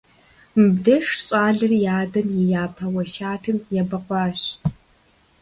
Мыбдеж щӀалэр и адэм и япэ уэсятым ебэкъуащ.